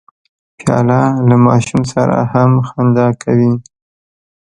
پیاله له ماشوم سره هم خندا کوي.